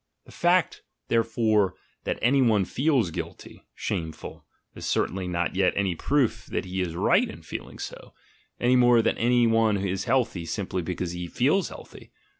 The fact, therefore, that any one feels "guilty," "sinful," is certainly not yet any proof that he is right in feeling so, any more than any one is healthy simply because he feels healthy.